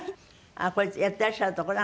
これやってらっしゃるところ？